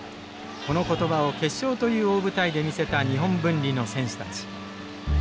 この言葉を決勝という大舞台で見せた日本文理の選手たち。